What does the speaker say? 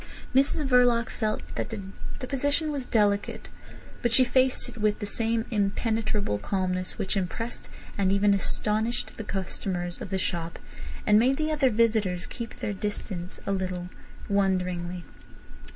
Mrs Verloc felt that the position was delicate, but she faced it with the same impenetrable calmness which impressed and even astonished the customers of the shop and made the other visitors keep their distance a little wonderingly.